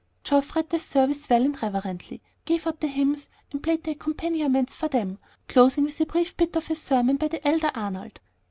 Geoff read the service well and reverently, gave out the hymns, and played the accompaniments for them, closing with a brief bit of a sermon by the elder Arnold.